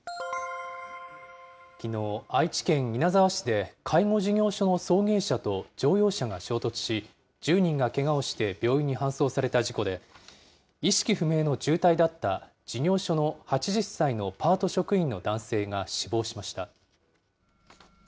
きのう、愛知県稲沢市で介護事業所の送迎車と乗用車が衝突し、１０人がけがをして病院に搬送された事故で、意識不明の重体だった事業所の８０歳のパート職員の男性が死亡しました。